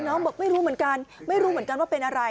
บอกไม่รู้เหมือนกันไม่รู้เหมือนกันว่าเป็นอะไร